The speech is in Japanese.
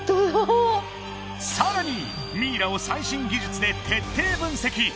さらにミイラを最新技術で徹底分析